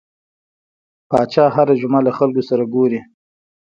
پاچا هر جمعه له خلکو سره ګوري .